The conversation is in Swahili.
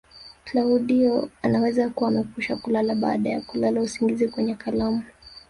Klaudio anaweza kuwa amekwisha kulala baada ya kulala usingizi kwenye kalamu